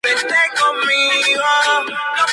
¿él partiese?